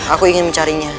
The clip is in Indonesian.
aku ingin mencarinya